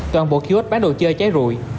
toàn bộ kiosk bán đồ chơi cháy rùi